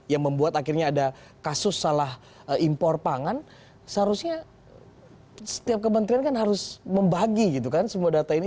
yang membuat akhirnya ada kasus salah impor pangan seharusnya setiap kementerian kan harus membagi gitu kan semua data ini